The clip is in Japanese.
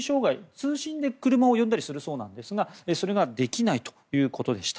通信で車を呼んだりするそうなんですがそれができないということでした。